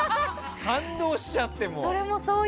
感動しちゃって、もう。